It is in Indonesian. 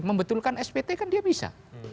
membetulkan spt kan dia bisa